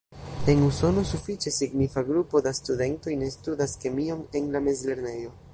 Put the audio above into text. En Usono, sufiĉe signifa grupo da studentoj ne studas kemion en la mezlernejo.